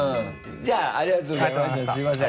じゃあありがとうございましたすみません。